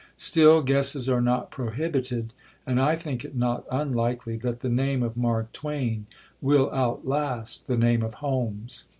Still, guesses are not prohibited; and I think it not unlikely that the name of Mark Twain will outlast the name of Holmes.